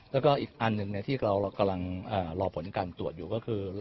ที่เรากำลังรอผลการตรวจอยู่ก็คือ